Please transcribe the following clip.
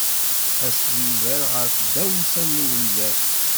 Aseḥbiber ɣef tdawsa n umdan.